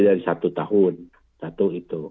dari satu tahun satu itu